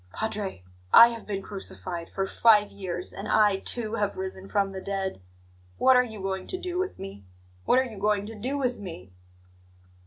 Padre, I have been crucified for five years, and I, too, have risen from the dead. What are you going to do with me? What are you going to do with me?"